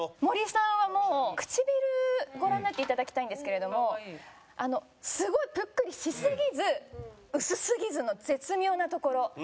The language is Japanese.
森さんはもう唇ご覧になっていただきたいんですけれどもすごいぷっくりしすぎず薄すぎずの絶妙なところ。